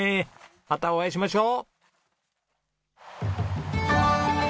またお会いしましょう。